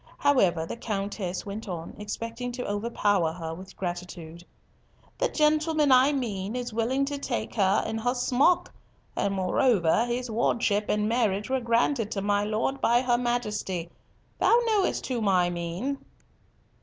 However, the Countess went on, expecting to overpower her with gratitude. "The gentleman I mean is willing to take her in her smock, and moreover his wardship and marriage were granted to my Lord by her Majesty. Thou knowest whom I mean."